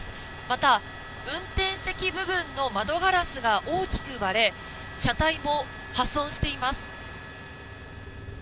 また、運転席部分の窓ガラスが大きく割れ車体も破損しています。